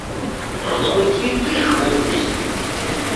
Просто хоть святых вон выноси!